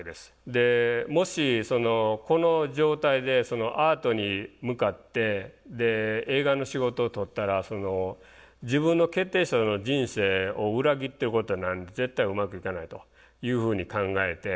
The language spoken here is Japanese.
もしこの状態でアートに向かって映画の仕事を取ったら自分の決定した人生を裏切ってることになるんで絶対うまくいかないというふうに考えて。